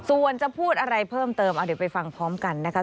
ส่วนจะพูดอะไรเพิ่มเติมเอาเดี๋ยวไปฟังพร้อมกันนะคะ